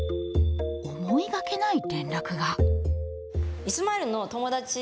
思いがけない連絡が。